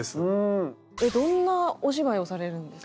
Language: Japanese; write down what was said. どんなお芝居をされるんですか？